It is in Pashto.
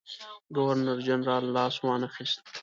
ګورنرجنرال لاس وانه خیست.